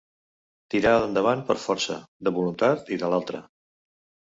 Tirada endavant per força, de voluntat i de l'altra.